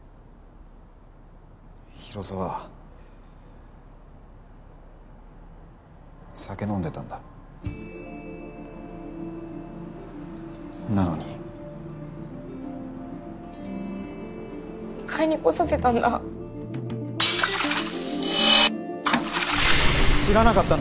広沢酒飲んでたんだなのに迎えに来させたんだ知らなかったんだ